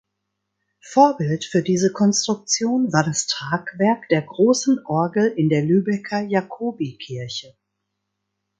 Vorbild für diese Konstruktion war das Tragwerk der großen Orgel in der Lübecker Jakobikirche.